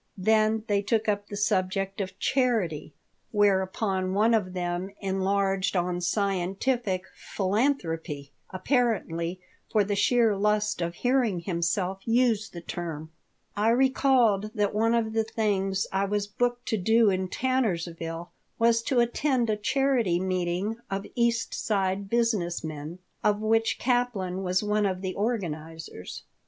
Then they took up the subject of charity, whereupon one of them enlarged on "scientific philanthropy," apparently for the sheer lust of hearing himself use the term I recalled that one of the things I was booked to do in Tannersville was to attend a charity meeting of East Side business men, of which Kaplan was one of the organizers.